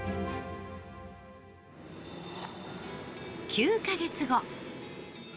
９か月後。